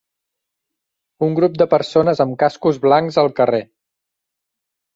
Un grup de persones amb cascos blancs al carrer.